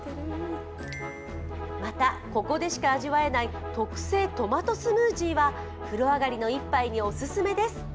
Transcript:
また、ここでしか味わえない特製トマトスムージーは風呂上がりの１杯にオススメです。